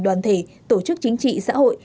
đoàn thể tổ chức chính trị xã hội